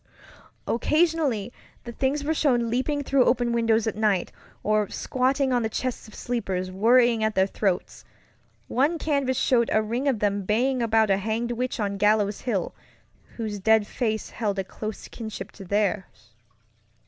Occasionally the things were shown leaping through open windows at night, or squatting on the chests of sleepers, worrying at their throats. One canvas showed a ring of them baying about a hanged witch on Gallows Hill, whose dead face held a close kinship to theirs.